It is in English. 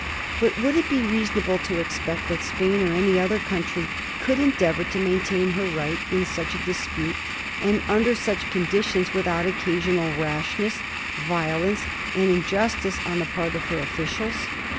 But would it be reasonable to expect that Spain or any other country could endeavor to main tain her right in such a dispute, and under such conditions, without occasional rashness, violence, and injustice on the part of her officials